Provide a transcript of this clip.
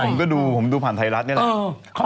ผมก็ดูผมดูผ่านไทยรัฐนี่แหละ